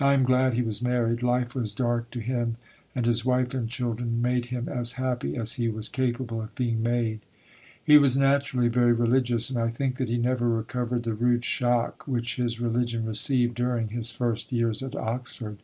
I am glad he was married: life was dark to him, and his wife and children made him as happy as he was capable of being made. He was naturally very religious, and I think that he never recovered the rude shock which his religion received during his first years at Oxford.